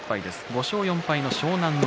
５勝４敗の湘南乃